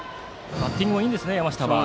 バッティングもいいんですね山下は。